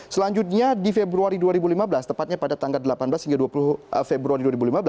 selanjutnya di februari dua ribu lima belas tepatnya pada tanggal delapan belas hingga dua puluh februari dua ribu lima belas